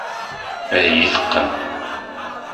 Ad iyi-teqqen.